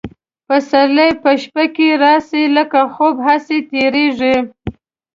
پسرلي په شپه کي راسي لکه خوب هسي تیریږي